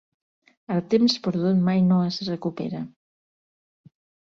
El temps perdut mai no es recupera.